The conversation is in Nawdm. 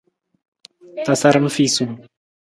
Tasaram fiisung.